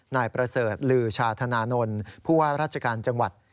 นายประเสริฐลือชาธนานนท์ผู้ว่าราชการจังหวัด